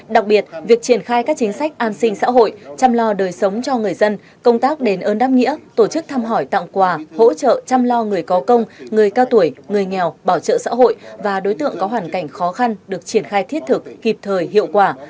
đặc biệt việc triển khai các chính sách an sinh xã hội chăm lo đời sống cho người dân công tác đến ơn đáp nghĩa tổ chức thăm hỏi tặng quà hỗ trợ chăm lo người có công người cao tuổi người nghèo bảo trợ xã hội và đối tượng có hoàn cảnh khó khăn được triển khai thiết thực kịp thời hiệu quả